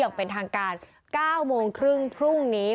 อย่างเป็นทางการ๙โมงครึ่งพรุ่งนี้